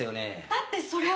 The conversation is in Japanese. だってそれは！